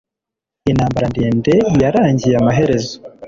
intambara ndende yarangiye amaherezo